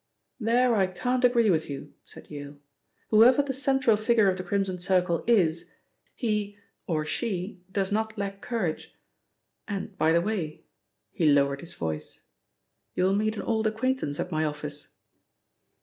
"There I can't agree with you," said Yale. "Whoever the central figure of the Crimson Circle is, he or she does not lack courage. And, by the way," he lowered his voice, "you will meet an old acquaintance at my office."